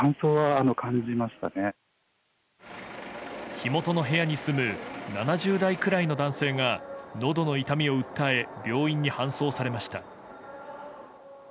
火元の部屋に住む７０代くらいの男性がのどの痛みを訴え病院に搬送されました。